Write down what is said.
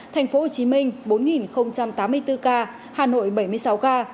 tp hcm bốn tám mươi bốn ca hà nội bảy mươi sáu ca